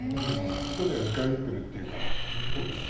１人は２回打っているというから。